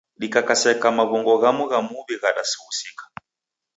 Dikakaseka maw'ungo ghamu gha muw'i ghasughusika.